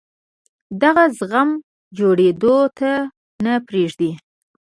دغه زخم جوړېدو ته نه پرېږدي.